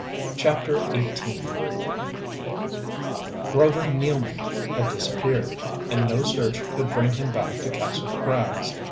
CHAPTER XVIII Grover Nealman had disappeared, and no search could bring him back to Kastle Krags.